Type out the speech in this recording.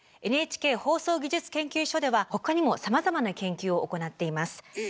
ＮＨＫ放送技術研究所では他にもさまざまな研究を行っています。